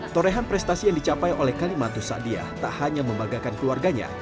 torehan prestasi yang dicapai oleh kalimantus sa'adiyah tak hanya membanggakan keluarganya